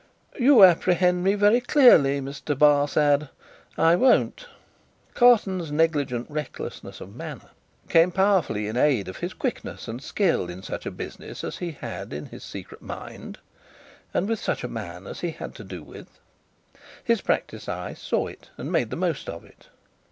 "You apprehend me very clearly, Mr. Barsad. I won't." Carton's negligent recklessness of manner came powerfully in aid of his quickness and skill, in such a business as he had in his secret mind, and with such a man as he had to do with. His practised eye saw it, and made the most of it.